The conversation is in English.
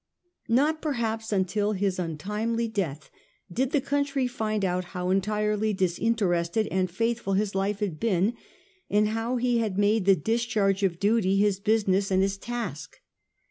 Not perhaps until his untimely death did the country find out how entirely disin terested and faithful his life had been, and how he had made the discharge of duty his business and his task.